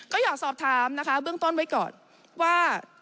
ก็อยากสอบถามนะคะเบื้องต้นไว้ก่อนว่า